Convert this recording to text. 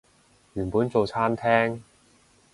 原本做餐廳